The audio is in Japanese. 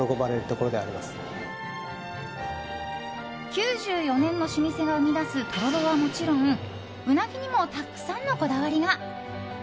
９４年の老舗が生み出すとろろはもちろんウナギにもたくさんのこだわりが。